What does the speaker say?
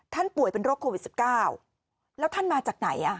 ป่วยเป็นโรคโควิด๑๙แล้วท่านมาจากไหนอ่ะ